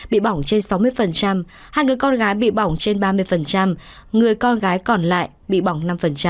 bị bỏng trên sáu mươi hai người con gái bị bỏng trên ba mươi người con gái còn lại bị bỏng năm